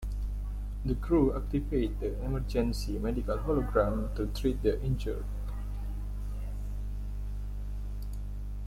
The crew activate the Emergency Medical Hologram to treat the injured.